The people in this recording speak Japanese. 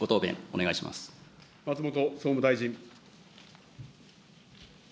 松本総務大臣。